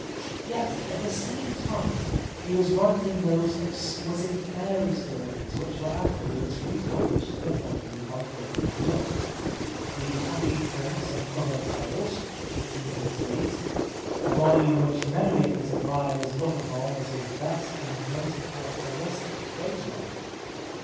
Yet at the same time he was writing those ex quisite fairy stories, which were afterwards re published in a volume by David Nutt. " The Happy Prince and Other Tales " (1888) ; a volume which many of his admirers look upon as his best and most characteristic prose work.